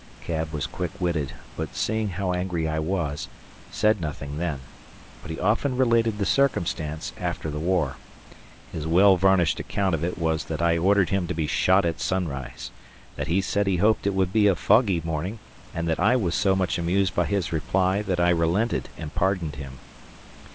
Cab was quick witted, but, seeing how angry I was, said nothing then. But he often related the circumstance after the war. His well varnished account of it was that I ordered him to be shot at sunrise, that he said he hoped it would be a foggy morning, and that I was so much amused by his reply that I relented and pardoned him.